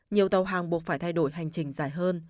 nhiều tàu hàng buộc phải thay đổi hành trình dài hơn